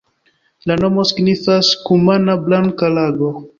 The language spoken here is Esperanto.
La nomo signifas kumana-blanka-lago.